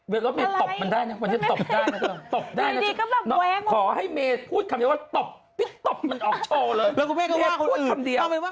เวทละเมตตรอปมันได้นะมันตำได้มั้ย